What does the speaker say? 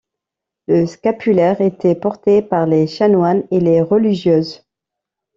Le scapulaire était porté par les chanoines et les religieuses.